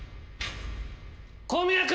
小宮君！